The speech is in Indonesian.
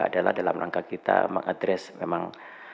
adalah dalam rangka kita mengadres memang